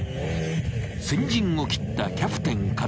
［先陣を切ったキャプテン片桐］